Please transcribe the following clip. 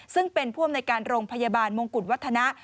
ซึ่งเป็นผู้อำนวยการโรงพยาบาลมงกุฎวัฒนะ